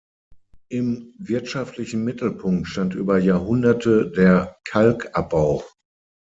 Im wirtschaftlichen Mittelpunkt stand über Jahrhunderte der Kalkabbau.